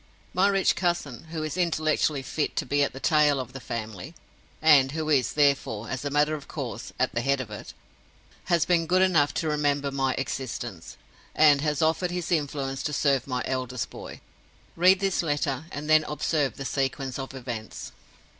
My rich cousin (who is intellectually fit to be at the tail of the family, and who is, therefore, as a matter of course, at the head of it) has been good enough to remember my existence; and has offered his influence to serve my eldest boy. Read his letter, and then observe the sequence of events.